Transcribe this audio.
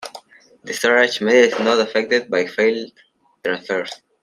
The storage media is not affected by failed transfers.